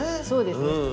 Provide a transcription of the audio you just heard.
そうですね。